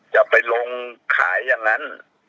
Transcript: จะไปลงขายอย่างนั้น